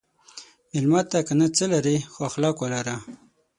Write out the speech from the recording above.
مېلمه ته که نه څه لرې، خو اخلاق ولره.